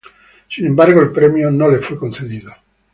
Sin embargo, el premio no le fue concedido.